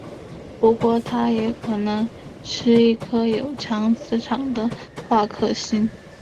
不过它也可能是一颗有强磁场的夸克星。